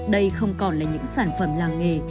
đây không còn là những sản phẩm làng nghề